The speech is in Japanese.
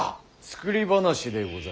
作り話でござる。